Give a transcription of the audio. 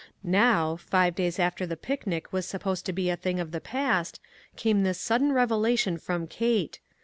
Now, five days after the picnic was sup posed to be a thing of the past, came this sudden revelation from Kate.